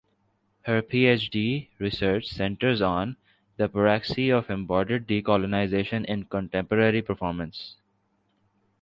Her PhD research centres "on the praxis of embodied decolonisation in contemporary performance".